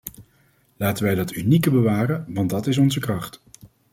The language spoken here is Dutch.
Laten wij dat unieke bewaren, want dat is onze kracht!